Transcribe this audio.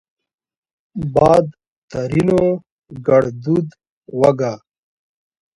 باد؛ ترينو ګړدود وګا